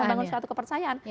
membangun suatu kepercayaan